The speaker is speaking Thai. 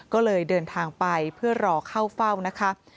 ก็เลยเดินทางไปเพื่อรอเข้าเฝ้านะคะ